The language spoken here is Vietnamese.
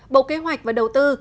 bộ kế hoạch và đầu tư